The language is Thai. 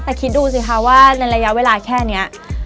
แต่คิดดูสิคะว่าในระยะเวลาแค่นี้